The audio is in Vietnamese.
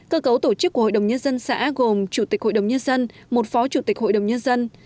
cơ cấu tổ chức của hội đồng nhân dân xã gồm chủ tịch hội đồng nhân dân một phó chủ tịch hội đồng nhân dân